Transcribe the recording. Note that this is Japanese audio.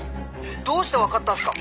どうして分かったんすか？